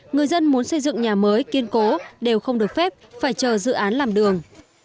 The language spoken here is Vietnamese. người dân muốn xây dựng nhà mới kiên cố đều không được phép phải chờ dự án làm đường